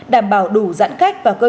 đảm bảo đủ giãn cách và cơ hội